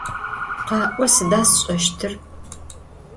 Kha'o, sıda sş'eştır?